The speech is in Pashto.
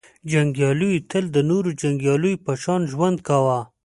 • جنګیالیو تل د نورو جنګیالیو په شان ژوند کاوه.